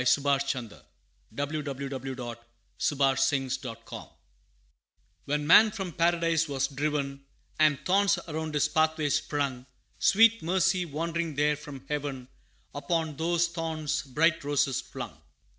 [Illustration: The Expulsion from Eden] When man from Paradise was driven, And thorns around his pathway sprung, Sweet Mercy wandering there from heaven Upon those thorns bright roses flung.